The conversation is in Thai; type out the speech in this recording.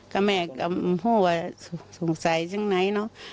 ก็แม่กับพ่อว่าสงสัยจึงไหนเนาะ